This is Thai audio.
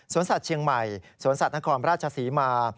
สัตว์เชียงใหม่สวนสัตว์นครราชศรีมา